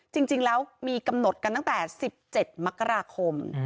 จริงแล้วมีกำหนดกันตั้งแต่๑๗มกราคม